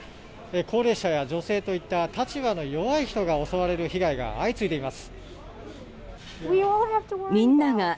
高齢者や女性といった立場の弱い人が襲われる被害が相次いでいます。